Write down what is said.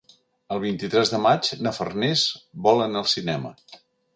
El vint-i-tres de maig na Farners vol anar al cinema.